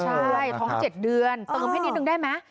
ใช่ท้อง๗เดือนเติมให้นิดนึงได้ไหม